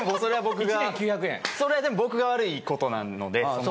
それでも僕が悪いことなので。